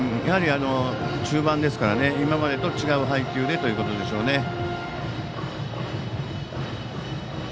やはり中盤ですから今までと違う配球でということでしょうね。